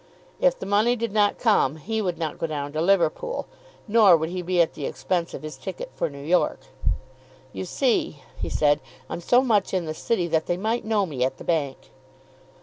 If the money did not come he would not go down to Liverpool, nor would he be at the expense of his ticket for New York. "You see," he said, "I'm so much in the City that they might know me at the bank."